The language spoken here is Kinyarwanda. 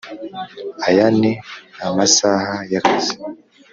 Aya ni Amasaha y akazi